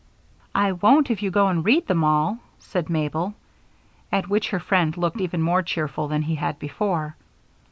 "I won't if you go and read them all," said Mabel, at which her friend looked even more cheerful than he had before.